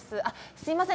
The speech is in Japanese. すみません